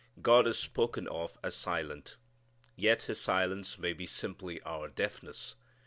God is spoken of as silent. Yet His silence may be simply our deafness.